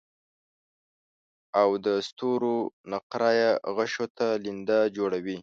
او د ستورو نقره يي غشو ته لینده جوړوي